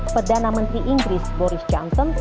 perdana menteri inggris boris johnson